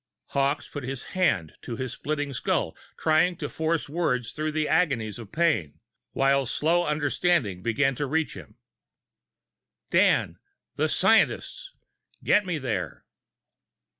_ Hawkes put his hand to his splitting skull, trying to force words through the agonies of pain, while slow understanding began to reach him. "Dan! The scientists ... get me there!"